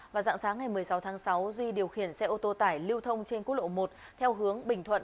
vào dạng sáng ngày một mươi sáu tháng sáu duy điều khiển xe ô tô tải lưu thông trên quốc lộ một theo hướng bình thuận